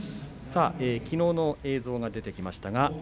きのうの映像が出てきました。